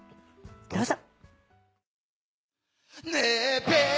どうぞ。